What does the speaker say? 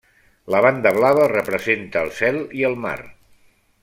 La banda blava representa el cel i el mar.